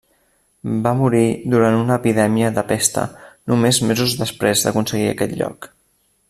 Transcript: Va morir durant una epidèmia de pesta només mesos després d'aconseguir aquest lloc.